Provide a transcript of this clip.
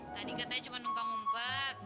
tadi katanya cuma numpang numpak